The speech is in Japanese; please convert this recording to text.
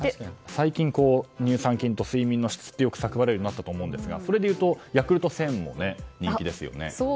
最近、乳酸菌と睡眠の質ってよく叫ばれるようになったと思いますがそれでいうとヤクルト１０００も人気ですよね。